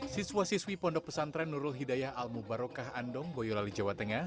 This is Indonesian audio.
siswa siswi pondok pesantren nurul hidayah al mubarokah andong boyolali jawa tengah